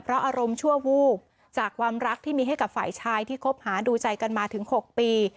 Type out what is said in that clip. เพราะอารมณ์ชั่ววูบจากความรักที่มีให้กับฝ่ายชายที่คบหาดูใจกันมาถึง๖ปี